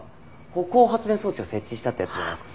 歩行発電装置を設置したってやつじゃないですか？